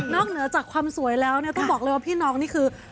เหนือจากความสวยแล้วเนี่ยต้องบอกเลยว่าพี่น้องนี่คือ